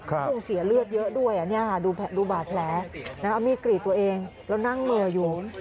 คงเสียเลือดเยอะด้วยดูบาดแผลเอามีดกรีดตัวเองแล้วนั่งเหม่ออยู่